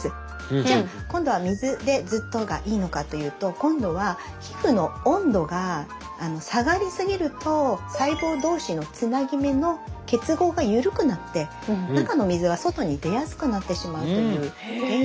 じゃあ今度は水でずっとがいいのかというと今度は皮膚の温度が下がり過ぎると細胞同士のつなぎ目の結合が緩くなって中の水は外に出やすくなってしまうという現象が起きるので。